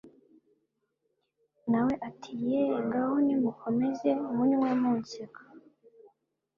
nawe ati "yeee, ngaho nimukomeze munywe munseka,